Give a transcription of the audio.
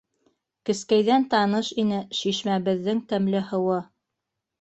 Кескәйҙән таныш ине шишмәбеҙҙең тәмле һыуы.